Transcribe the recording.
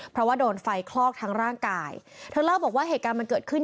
เพราะว่าโดนไฟคลอกทั้งร่างกายเธอเล่าบอกว่าเหตุการณ์มันเกิดขึ้น